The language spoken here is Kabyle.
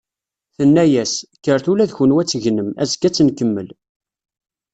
Tenna-as: "Kkret ula d kunwi ad tegnem, azekka ad tt-nkemmel."